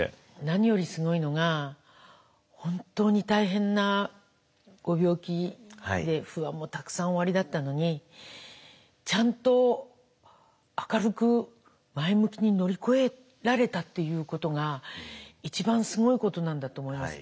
何よりすごいのが本当に大変なご病気で不安もたくさんおありだったのにちゃんと明るく前向きに乗り越えられたっていうことが一番すごいことなんだと思います。